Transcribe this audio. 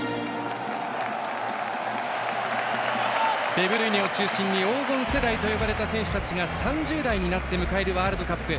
デブルイネを中心に黄金世代と呼ばれた選手たちが３０代になって迎えるワールドカップ。